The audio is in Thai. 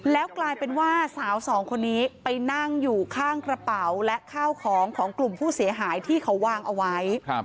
แล้วกลายเป็นว่าสาวสองคนนี้ไปนั่งอยู่ข้างกระเป๋าและข้าวของของกลุ่มผู้เสียหายที่เขาวางเอาไว้